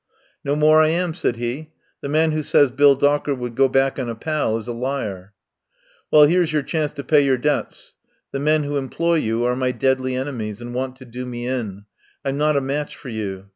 "No more I am," said he. "The man who says Bill Docker would go back on a pal is a liar." "Well, here's your chance to pay your debts. The men who employ you are my deadly en emies, and want to do me in. I'm not a match for you.